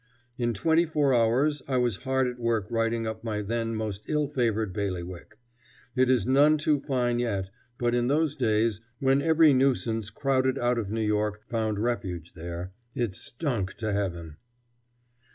In twenty four hours I was hard at work writing up my then most ill favored bailiwick. It is none too fine yet, but in those days, when every nuisance crowded out of New York found refuge there, it stunk to heaven.